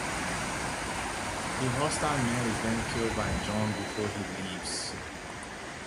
The hostile man is then killed by John before he leaves.